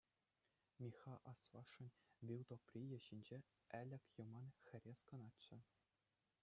Михха аслашшӗн вилтӑприйӗ ҫинче ӗлӗк юман хӗрес кӑначчӗ.